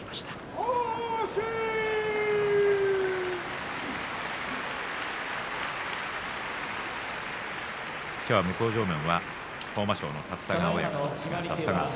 拍手向正面は豊真将の立田川親方です。